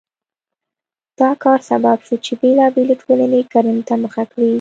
دا کار سبب شو چې بېلابېلې ټولنې کرنې ته مخه کړي.